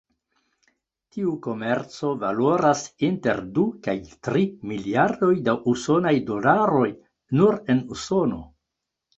Tiu komerco valoras inter du kaj tri miliardoj da usonaj dolaroj nur en Usono.